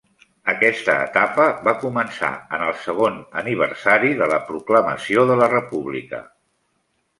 Aquesta etapa va començar en el segon aniversari de la proclamació de la República.